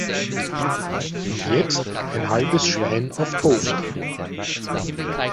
Und jetzt ein halbes Schwein auf Toast.